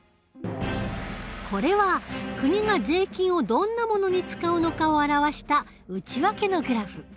これは国が税金をどんなものに使うのかを表した内訳のグラフ。